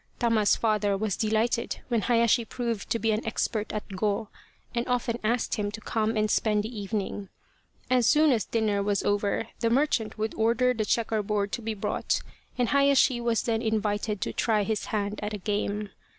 Tama's father was delighted when Hayashi proved to be an expert at go, and often asked him to come and spend the even ing. As soon as dinner was over the merchant would order the chequer board to be brought and Hayashi was then invited to try his hand at a game.